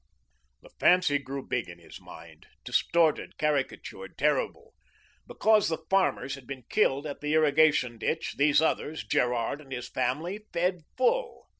The fancy grew big in his mind, distorted, caricatured, terrible. Because the farmers had been killed at the irrigation ditch, these others, Gerard and his family, fed full.